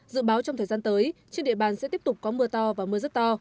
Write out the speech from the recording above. dự báo trong thời gian tới trên địa bàn sẽ tiếp tục có mưa to và mưa rất to